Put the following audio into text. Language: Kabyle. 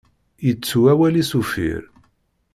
Yettu awal-is uffir.